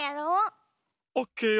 オッケーよ。